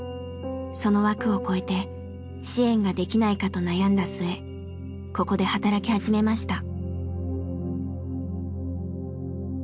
その枠を超えて支援ができないかと悩んだ末ここで働き始めました。